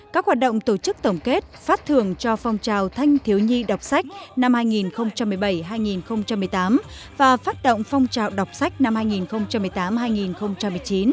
các hoạt động tổ chức tổng kết phát thường cho phong trào thanh thiếu nhi đọc sách năm hai nghìn một mươi bảy hai nghìn một mươi tám và phát động phong trào đọc sách năm hai nghìn một mươi tám hai nghìn một mươi chín